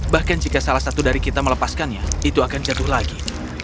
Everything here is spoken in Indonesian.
bahkan jika salah satu dari kita melepaskannya itu akan jatuh lagi